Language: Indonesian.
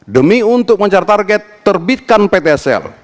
demi untuk mencar target terbitkan ptsl